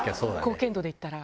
貢献度で言ったら。